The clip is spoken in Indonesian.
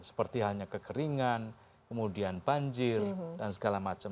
seperti halnya kekeringan kemudian banjir dan segala macam